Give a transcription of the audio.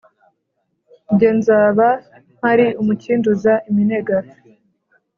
Jye nzaba mpari umukinduza iminega.